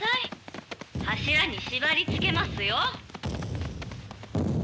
柱に縛りつけますよ。